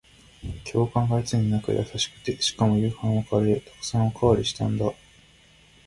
教官がいつになく優しくて、しかも夕飯はカレー。沢山おかわりしたんだ。